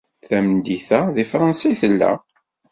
Tamdint-a deg Fransa i tella.